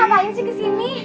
lu tuh ngapain sih kesini